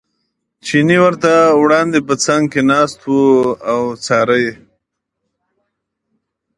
چیني ورته وړاندې په څنګ کې ناست او یې څاره.